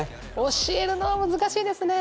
教えるのは難しいですね。